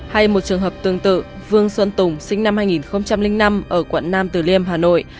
hay một trường hợp tương tự vương xuân tùng sinh năm hai nghìn năm ở quận nam từ liêm hà nội